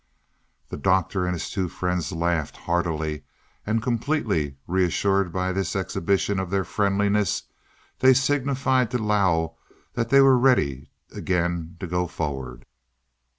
The Doctor and his two friends laughed heartily, and, completely reassured by this exhibition of their friendliness, they signified to Lao that they were ready again to go forward.